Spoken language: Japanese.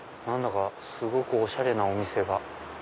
何だかすごくおしゃれなお店が。